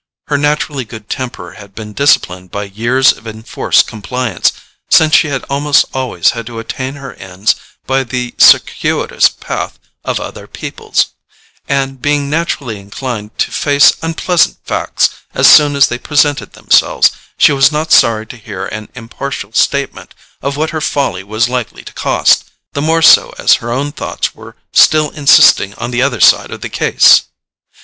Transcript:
Her naturally good temper had been disciplined by years of enforced compliance, since she had almost always had to attain her ends by the circuitous path of other people's; and, being naturally inclined to face unpleasant facts as soon as they presented themselves, she was not sorry to hear an impartial statement of what her folly was likely to cost, the more so as her own thoughts were still insisting on the other side of the case.